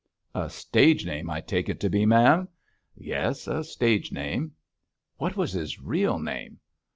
'A stage name I take it to be, ma'am!' 'Yes! a stage name.' 'What was his real name?'